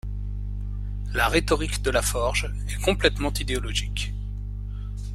La rhétorique de la Forge est complètement idéologique.